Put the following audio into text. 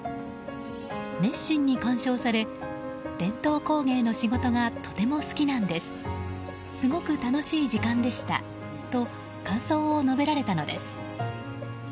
熱心に鑑賞され伝統工芸の仕事がとても好きなんですすごく楽しい時間でしたと感想を述べられたのです。